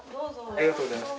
ありがとうございます。